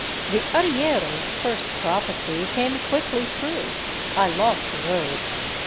The arriero's first prophecy came quickly true. I lost the road.